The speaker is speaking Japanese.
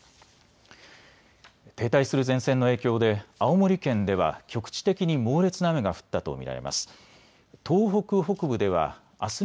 停滞する前線の影響で青森県では局地的に猛烈な雨が降ったと見られます。